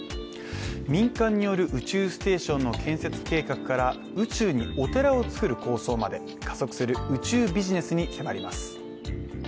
民間による宇宙ステーションの建設計画から宇宙にお寺を造る構想まで、加速する宇宙ビジネスに迫ります。